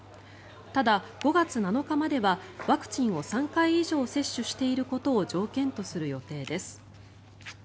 ただ、５月７日まではワクチンを３回以上接種していることを条件とする予定です。